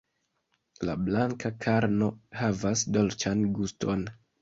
La blanka karno havas dolĉan guston.